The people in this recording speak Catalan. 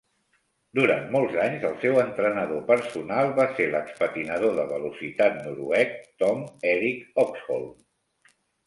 Durant molts anys, el seu entrenador personal va ser l'expatinador de velocitat noruec Tom Erik Oxholm.